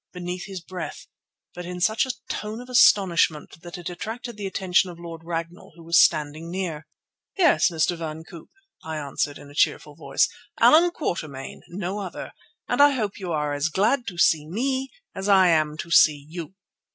beneath his breath, but in such a tone of astonishment that it attracted the attention of Lord Ragnall, who was standing near. "Yes, Mr. van Koop," I answered in a cheerful voice, "Allan Quatermain, no other, and I hope you are as glad to see me as I am to see you."